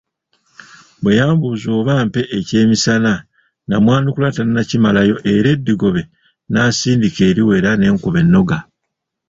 Bwe yambuuza oba ampe ekyemisana namwanukula tannakimalayo era eddigobe nasindika eriwera ne nkuba n'ennoga.